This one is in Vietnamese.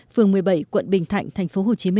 phường một mươi bảy quận bình thạnh tp hcm